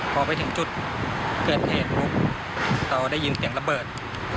พอไปถึงจุดเกิดเหตุปุ๊บเราได้ยินเสียงระเบิด